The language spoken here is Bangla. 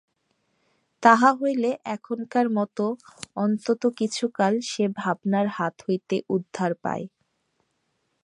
তাহা হইলে এখনকার মতো অন্তত কিছুকাল সে ভাবনার হাত হইতে উদ্ধার পায়।